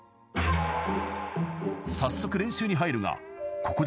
［早速練習に入るがここで］